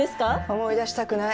思い出したくない。